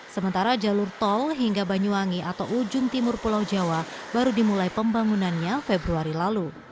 sementara jalur tol hingga banyuwangi atau ujung timur pulau jawa baru dimulai pembangunannya februari lalu